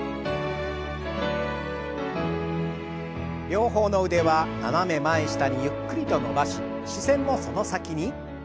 両方の腕は斜め前下にゆっくりと伸ばし視線もその先に。